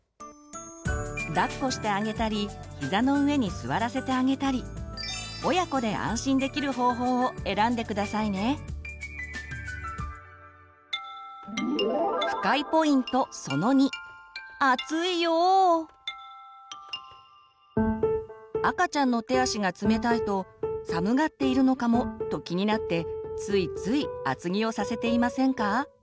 だっこしてあげたりひざの上に座らせてあげたり親子で赤ちゃんの手足が冷たいと「寒がっているのかも？」と気になってついつい厚着をさせていませんか？